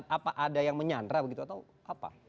apa ada yang menyandra begitu atau apa